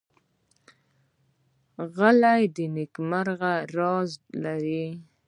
غلی، د نېکمرغۍ راز لري.